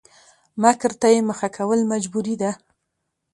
مکر ته يې مخه کول مجبوري ده؛